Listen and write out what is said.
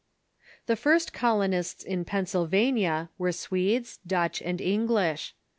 The first colonists in Pennsylvania were Swedes, Dutch, and English.